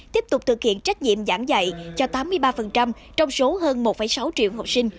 tiếp tục thực hiện trách nhiệm giảng dạy cho tám mươi ba trong số hơn một sáu triệu học sinh